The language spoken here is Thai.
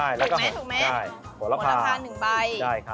อย่างนี้เหรอถูกไหม